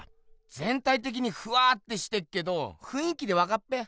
ぜんたいてきにふわってしてっけどふんい気でわかっぺ！